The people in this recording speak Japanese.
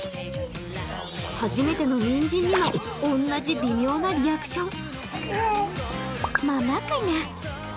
初めてのにんじんにも同じ微妙なリアクション。